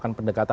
dan mereka juga